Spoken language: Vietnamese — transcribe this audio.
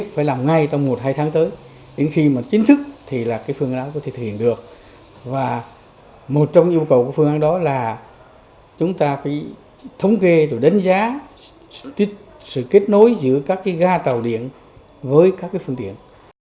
và một trong nhu cầu của phương án đó là chúng ta phải thống kê và đánh giá sự kết nối giữa các gà tàu điện với các phương tiện